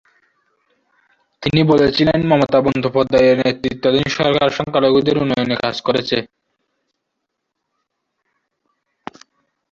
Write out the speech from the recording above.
তিনি বলেছিলেন মমতা বন্দ্যোপাধ্যায়ের নেতৃত্বাধীন সরকার সংখ্যালঘুদের উন্নয়নে কাজ করেছে।